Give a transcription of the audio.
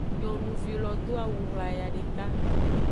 Nyonuvi lo do awu wlayaa deka.